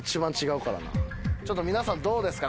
ちょっと皆さんどうですか？